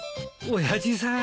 親父さん。